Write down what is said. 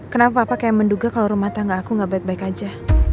kenapa apa kayak menduga kalau rumah tangga aku gak baik baik aja